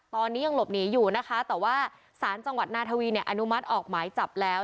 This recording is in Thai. ตอนนี้ยังหลบหนีอยู่นะคะแต่ว่าสารจังหวัดนาทวีเนี่ยอนุมัติออกหมายจับแล้ว